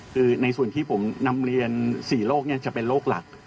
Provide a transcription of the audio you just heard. คือในส่วนที่ผมนำเรียน๔โรคจะเป็นโรคหลัก